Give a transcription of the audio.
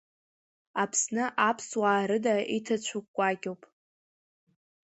Аԥсны аԥсуаа рыда иҭацәу кәакьуп.